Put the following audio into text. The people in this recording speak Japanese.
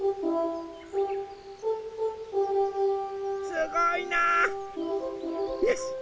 すごいな！よしっ！